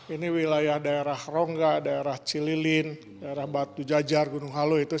ini wilayah daerah rongga daerah cililin daerah batu jajar gunung halu itu